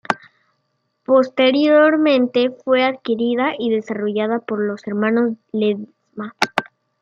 Posteriormente fue adquirida y desarrollada por los hermanos Ledesma.